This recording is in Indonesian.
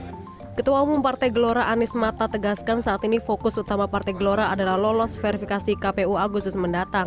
setelah lolos verifikasi kpu agusus mendatang ketua umum partai gelora anies mata tegaskan saat ini fokus utama partai gelora adalah lolos verifikasi kpu agusus mendatang